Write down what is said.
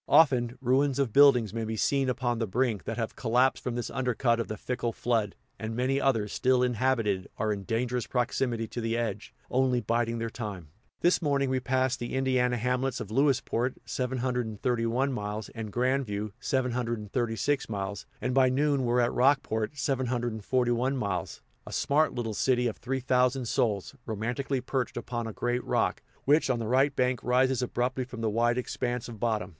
Often, ruins of buildings may be seen upon the brink, that have collapsed from this undercut of the fickle flood; and many others, still inhabited, are in dangerous proximity to the edge, only biding their time. This morning, we passed the Indiana hamlets of Lewisport (731 miles) and Grand View (736 miles), and by noon were at Rockport (741 miles), a smart little city of three thousand souls, romantically perched upon a great rock, which on the right bank rises abruptly from the wide expanse of bottom.